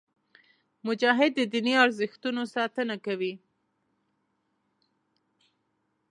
مجاهد د دیني ارزښتونو ساتنه کوي.